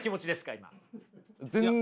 今。